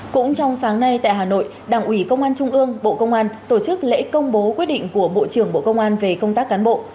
cũng trong sáng nay tại hà nội đảng ủy công an trung ương bộ công an tổ chức lễ công bố quyết định của bộ trưởng bộ công an về công tác cán bộ